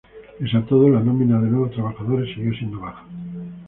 Pese a todo, la nómina de nuevos trabajadores siguió siendo baja.